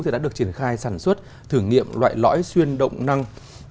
thì đã được triển khai sản xuất thử nghiệm loại lõi xuyên động năng